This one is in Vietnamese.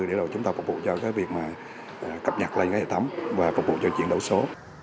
để chúng ta phục vụ cho cái việc mà cập nhật lên cái hệ thống và phục vụ cho chuyển đổi số